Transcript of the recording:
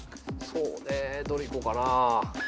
そうねどれいこうかな。